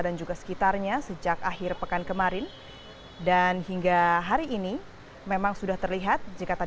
dan juga sekitarnya sejak akhir pekan kemarin dan hingga hari ini memang sudah terlihat jika